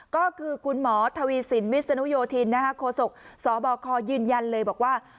ก็คือคุณหมอทวีสินวิศนุโยธินโคศกสบคยืนยันเลยบอกว่า